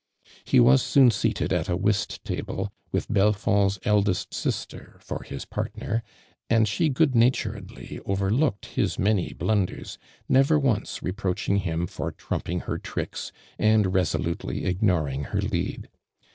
He was soon seated at a whist table witli Belfond's eldest sister for his partner; and she good naturedly overlooked his many blunders, never once reproaching him for trumping her tricks and resolutely ignoring her lead.